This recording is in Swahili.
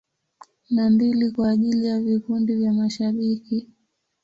Na mbili kwa ajili ya vikundi vya mashabiki.